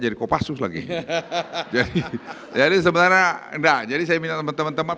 jadi saya minta teman teman teman